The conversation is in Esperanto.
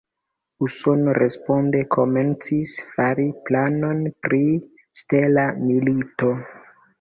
Usono responde komencis fari planon pri "stela milito".